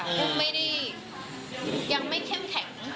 อุ้มยังไม่เข้มแข็ง